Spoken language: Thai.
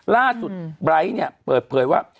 ล่าสุดไบร์ทเนี่ยเปิดเผยว่า